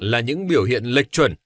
là những biểu hiện lịch chuẩn